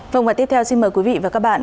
vâng và tiếp theo xin mời quý vị và các bạn